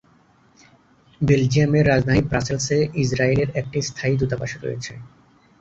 বেলজিয়ামের রাজধানী ব্রাসেলস-এ ইসরায়েল এর একটি স্থায়ী দূতাবাস রয়েছে।